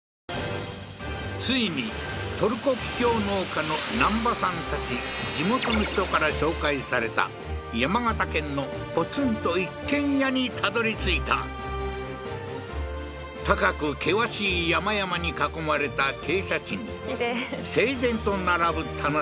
ついにトルコキキョウ農家の難波さんたち地元の人から紹介された山形県の高く険しい山々に囲まれた傾斜地に整然と並ぶ棚田